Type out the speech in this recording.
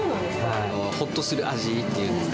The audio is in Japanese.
ほっとする味っていうんです